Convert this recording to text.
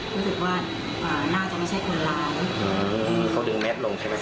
รู้สึกว่าอ่าน่าจะไม่ใช่คนร้ายอืมเขาดึงแมทลงใช่ไหมครับ